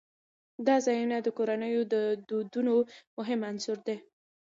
دا ځایونه د کورنیو د دودونو مهم عنصر دی.